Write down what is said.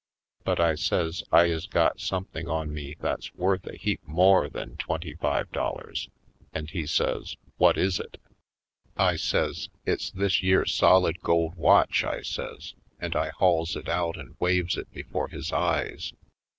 But I says I is got something on me that's worth a heap more than twenty five dollars. And he says: "Whut is it?" 84 /. Poindexterj Colored I says: "It's this yere solid gold watch," I says. And I hauls it out and waves it before his eyes.